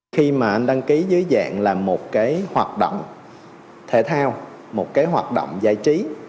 khi mà anh đăng ký dưới dạng là một cái hoạt động thể thao một cái hoạt động giải trí